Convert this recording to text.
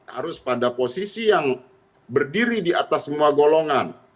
harus pada posisi yang berdiri di atas semua golongan